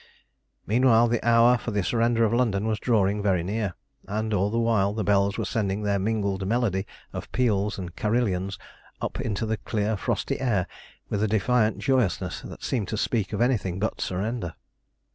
Meanwhile, the hour for the surrender of London was drawing very near, and all the while the bells were sending their mingled melody of peals and carillons up into the clear frosty air with a defiant joyousness that seemed to speak of anything but surrender.